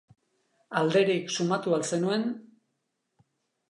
Alderik sumatu al zenuen?